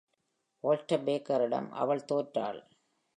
Walter Baker இடம் அவள் தோற்றாள்.